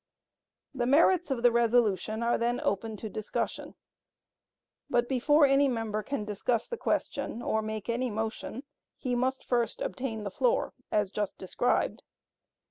The merits of the resolution are then open to discussion, but before any member can discuss the question or make any motion, he must first obtain the floor as just described.